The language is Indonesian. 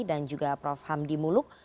dan juga prof hamdi muluk